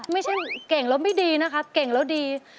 ไม่ใช่เก่งแล้วไม่ดีนะคะเก่งแล้วดี